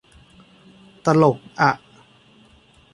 ตลกอะ